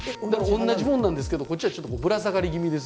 同じものなんですけどこっちはちょっとぶら下がり気味ですよね。